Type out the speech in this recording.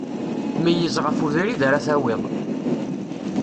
Meyyez ɣef webrid ara tawiḍ.